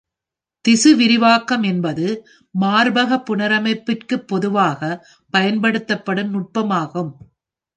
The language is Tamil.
திசு விரிவாக்கம் என்பது மார்பக புனரமைப்பிற்கு பொதுவாக பயன்படுத்தப்படும் நுட்பமாகும்.